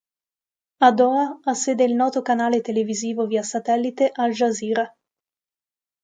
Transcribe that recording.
A Doha ha sede il noto canale televisivo via satellite Al Jazeera.